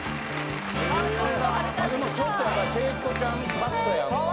でもちょっとやっぱ聖子ちゃんカットやんか。